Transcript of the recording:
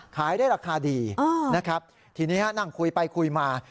ขายได้ราคาดีนะครับทีนี้นั่งคุยไปคุยมา